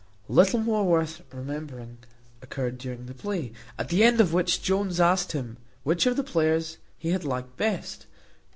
_" Little more worth remembering occurred during the play, at the end of which Jones asked him, "Which of the players he had liked best?"